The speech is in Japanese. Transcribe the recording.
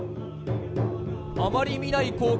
あまり見ない光景。